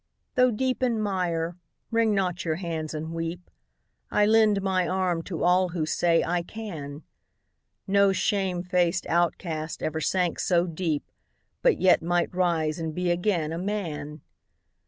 Though deep in mire, wring not your hands and weep; I lend my arm to all who say "I can!" No shame faced outcast ever sank so deep, But yet might rise and be again a man